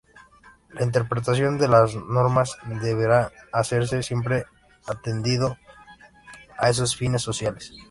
Y la interpretación de las normas deberá hacerse siempre atendiendo a esos fines sociales.